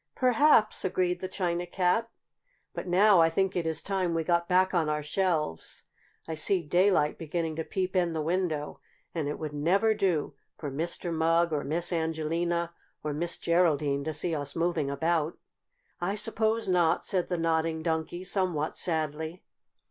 "Perhaps," agreed the China Cat. "But now I think it is time we got back on our shelves. I see daylight beginning to peep in the window, and it would never do for Mr. Mugg or Miss Angelina or Miss Geraldine to see us moving about." "I suppose not," said the Nodding Donkey, somewhat sadly.